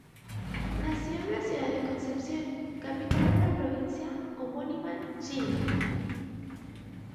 Nació en la ciudad de Concepción, capital de la provincia homónima, Chile.